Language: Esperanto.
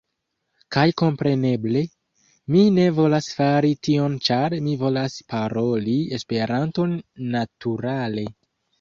Kaj kompreneble, mi ne volas fari tion ĉar mi volas paroli Esperanton naturale